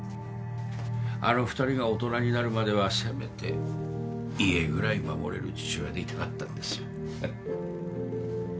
あの２人が大人になるまではせめて家ぐらい守れる父親でいたかったんですよ